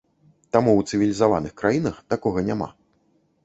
Таму ў цывілізаваных краінах такога няма.